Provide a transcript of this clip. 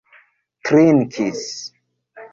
trinkis